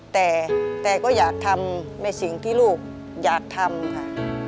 แต่ก็อยากทำในสิ่งที่ลูกอยากทำค่ะ